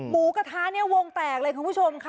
หมูกระทะเนี่ยวงแตกเลยคุณผู้ชมค่ะ